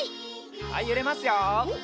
はいゆれますよ。